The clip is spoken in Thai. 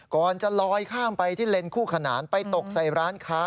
ก่อนจะลอยข้ามไปที่เลนคู่ขนานไปตกใส่ร้านค้า